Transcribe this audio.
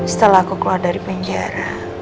setelah aku keluar dari penjara